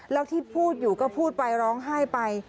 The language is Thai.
แล้วที่พูดอยู่ก็พูดไปร้องไห้ไป